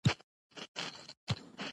مصدر د زمان او ځای له قیده آزاد يي.